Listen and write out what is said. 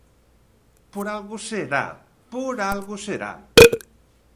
¡Por algo será!, ¡por algo será!